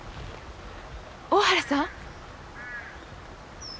大原さん。